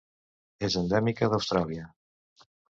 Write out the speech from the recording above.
És endèmica d'Austràlia.